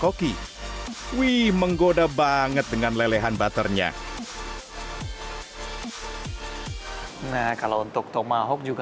koki wih menggoda banget dengan lelehan butternya nah kalau untuk tomahawk juga